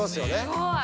すごい。